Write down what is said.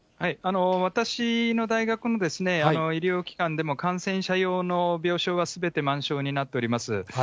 私の大学の医療機関でも、感染者用の病床はすべて満床になっております。